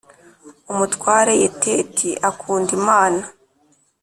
Umutware Yeteti akunda imana.